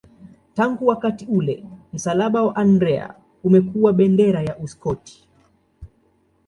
Tangu wakati ule msalaba wa Andrea umekuwa bendera ya Uskoti.